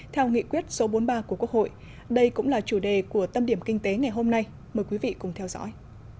theo nghị quyết số bốn mươi ba của quốc hội đây cũng là chủ đề của tâm điểm kinh tế ngày hôm nay mời quý vị cùng theo dõi